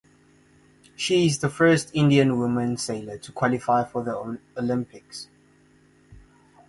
She is the first Indian woman sailor to qualify for Olympics.